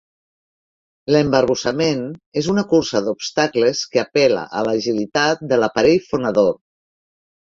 L'embarbussament és una cursa d'obstacles que apel·la a l'agilitat de l'aparell fonador.